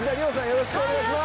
よろしくお願いします。